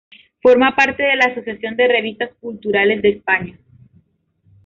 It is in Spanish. Forma parte de la Asociación de Revistas Culturales de España.